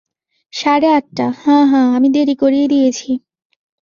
সাড়ে আটটা– হাঁ হাঁ, আমি দেরি করিয়ে দিয়েছি।